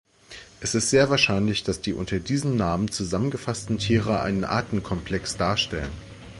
Es ist sehr wahrscheinlich, dass die unter diesem Namen zusammengefassten Tiere einen Artenkomplex darstellen.